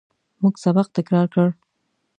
موږ سبق تکرار کړ.